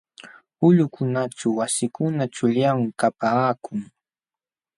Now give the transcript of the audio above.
Ulqukunaćhu wasikuna chuqllam kapaakun.